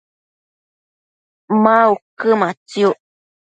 ma uquëmatsiuc?